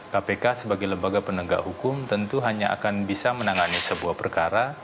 kpk sebagai lembaga penegak hukum tentu hanya akan bisa menangani sebuah perkara